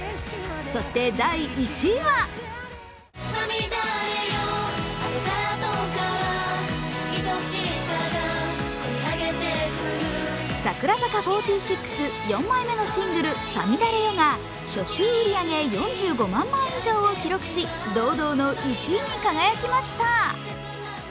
そして第１位は櫻坂４６、４枚目のシングル「五月雨よ」が初週売り上げ４５万枚以上を売り上げ、堂々の１位に輝きました。